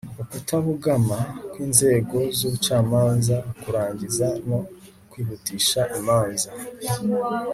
ukutabogama kw inzego z ubucamanza kurangiza no kwihutisha imanza